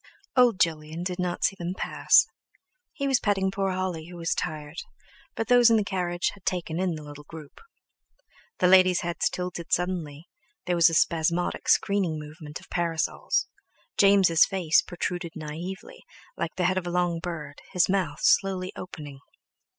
Old Jolyon did not see them pass; he was petting poor Holly who was tired, but those in the carriage had taken in the little group; the ladies' heads tilted suddenly, there was a spasmodic screening movement of parasols; James' face protruded naively, like the head of a long bird, his mouth slowly opening.